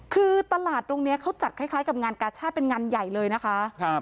คือตลาดตรงนี้เขาจัดคล้ายกับงานกาชาติเป็นงานใหญ่เลยนะคะ